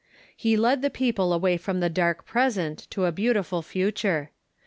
He led the people away from the dark present to a beautiful future.